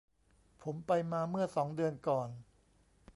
ผมไปมาเมื่อสองเดือนก่อน